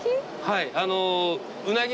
はい。